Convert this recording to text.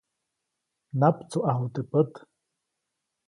Naptsuʼaju teʼ pät.